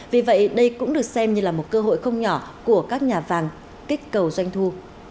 vì vậy đây cũng được xem như là một cơ hội không nhỏ của các nhà vàng kích cầu doanh thu